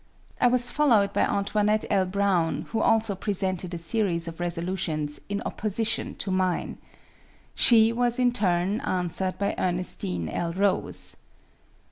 I was followed by Antoinette L, Brown, who also presented a series of resolutions in opposition to mine. She was, in turn, answered by Ernestine L. Rose.